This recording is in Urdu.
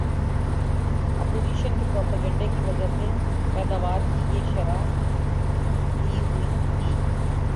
اپوزیشن کے پراپیگنڈا کی وجہ سے پیداوار کی یہ شرح دبی ہوئی تھی